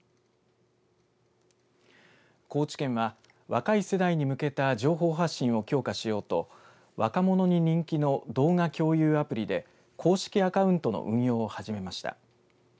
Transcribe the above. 高知県は若い世代に向けた情報発信を強化しようと若者に人気の動画共有アプリで公式アカウントの運用を始めました。